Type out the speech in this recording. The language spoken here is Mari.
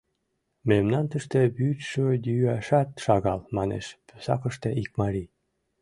— Мемнан тыште вӱдшӧ йӱашат шагал, — манеш пусакыште ик марий.